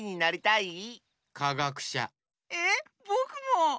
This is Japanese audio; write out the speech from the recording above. えっぼくも！